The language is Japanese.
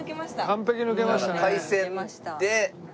完璧抜けましたね。